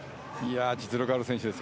実力ある選手です